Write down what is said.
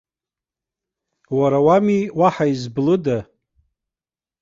Уара уами, уаҳа изблыда!